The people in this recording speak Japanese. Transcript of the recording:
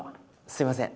すみません。